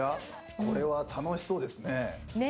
これは楽しそうですね。